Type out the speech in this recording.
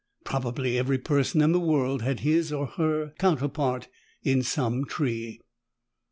Probably every person in the world had his or her counterpart in some tree.